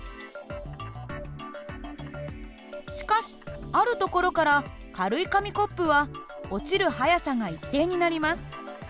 しかしあるところから軽い紙コップは落ちる速さが一定になります。